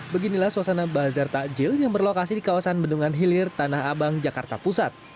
beginilah suasana bazar takjil yang berlokasi di kawasan bendungan hilir tanah abang jakarta pusat